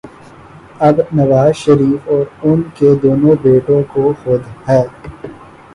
اب نواز شریف اور ان کے دونوں بیٹوں کو خود ہی